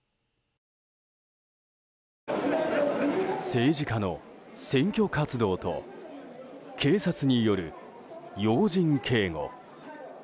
政治家の選挙活動と警察による要人警護。